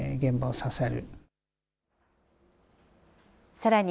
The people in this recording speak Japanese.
さらに、